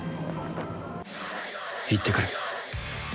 行ってくる。